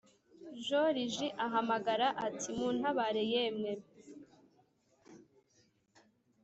Joriji ahamagara ati:” muntabare yemwe?